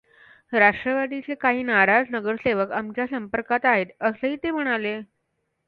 राष्ट्रवादीचे काही नाराज नगरसेवक आमच्या संपर्कात आहेत, असंही ते म्हणाले.